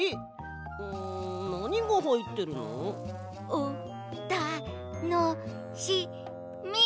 おたのしみ。